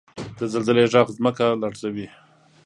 • د زلزلې ږغ ځمکه لړزوي.